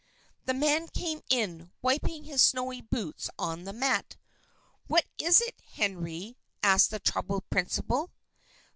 The man came in, wiping his snowy boots on the mat. "What is it, Henry?" asked the troubled principal.